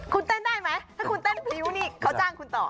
คุณเต้นได้ไหมถ้าคุณเต้นพริ้วนี่เขาจ้างคุณต่อ